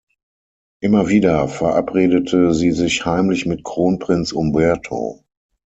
Immer wieder verabredete sie sich heimlich mit Kronprinz Umberto.